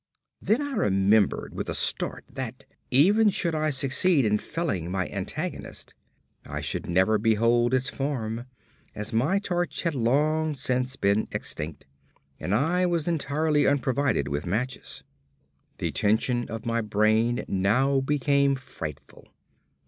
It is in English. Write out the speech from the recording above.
Then I remembered with a start that, even should I succeed in felling my antagonist, I should never behold its form, as my torch had long since been extinct, and I was entirely unprovided with matches. The tension on my brain now became frightful.